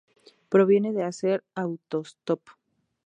Proviene de hacer autostop.